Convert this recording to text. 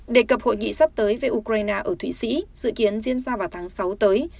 đề cập hội nghị sắp tới về ukraine ở thụy sĩ dự kiến diễn ra vào tháng sáu tới